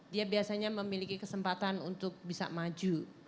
dia biasanya memiliki kesempatan untuk bisa maju